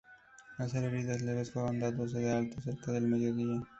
Al ser heridas leves fueron dados de alta cerca del mediodía.